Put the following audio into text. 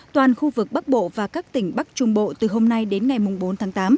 toàn khu vực bắc bộ và các tỉnh bắc trung bộ từ hôm nay đến ngày bốn tháng tám